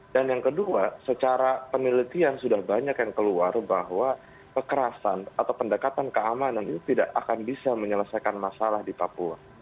dan yang kedua secara penelitian sudah banyak yang keluar bahwa kekerasan atau pendekatan keamanan itu tidak akan bisa menyelesaikan masalah di papua